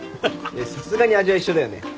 さすがに味は一緒だよね？